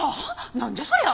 何じゃそりゃ！